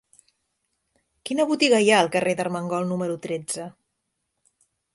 Quina botiga hi ha al carrer d'Armengol número tretze?